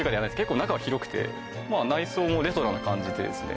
結構中は広くてまあ内装もレトロな感じでですね